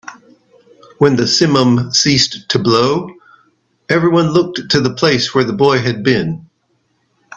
When the simum ceased to blow, everyone looked to the place where the boy had been.